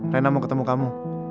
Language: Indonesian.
rena mau ketemu kamu